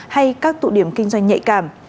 hay các tụ điểm kinh doanh nhạy cảm